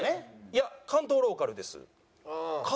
「いや関東ローカルです」。